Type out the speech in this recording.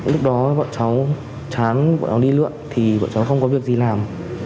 lúc đó mọi cháu chán mọi cháu đi lượn thì mọi cháu không có việc gì làm